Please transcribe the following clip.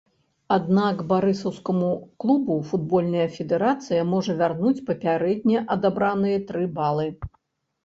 Аднак барысаўскаму клубу футбольная федэрацыя можа вярнуць папярэдне адабраныя тры балы.